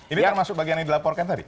ini kan masuk bagian yang dilaporkan tadi